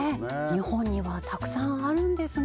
日本にはたくさんあるんですね